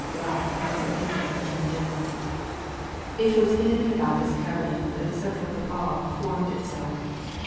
Black, of Pennsylvania, Attorney General. It was in and about this Cabinet that the central cabal formed itself.